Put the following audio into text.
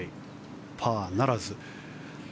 パーならず。